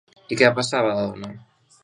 I què va passar a Badalona?